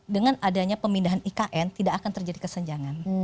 dengan adanya pemindahan ikn tidak akan terjadi kesenjangan